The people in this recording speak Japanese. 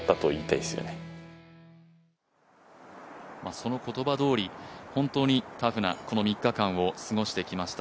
その言葉どおり本当にタフなこの３日間を過ごしてきました。